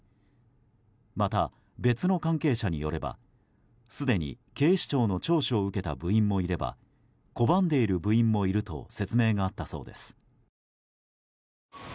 また別の関係者によればすでに警視庁の聴取を受けた部員もいれば拒んでいる部員もいると説明があったそうです。